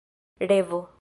revo